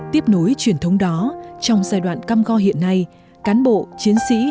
tiếp nối truyền thống đó trong giai đoạn cam go hiện nay cán bộ chiến sĩ